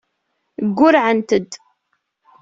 Ggurrɛent-d.